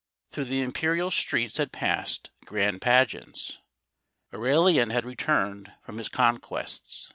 Through the imperial streets had passed grand pageants. Aurelian had returned from his con quests.